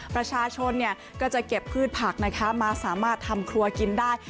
ประชาชนก็จะเก็บพืชผักนะคะมาสามารถทำครัวกินได้